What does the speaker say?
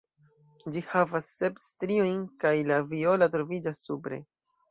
Ĝi havas sep striojn kaj la viola troviĝas supre.